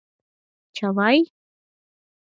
— Чавай?!